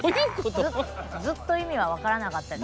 ずっと意味は分からなかったです。